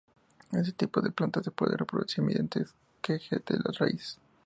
Este tipo de planta se puede reproducir mediante esqueje de las raíces.